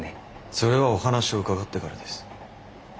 それはお話を伺ってからです。